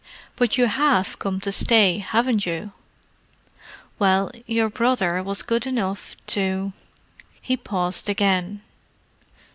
But you have come to stay, haven't you?" "Well—your brother was good enough to——" He paused again.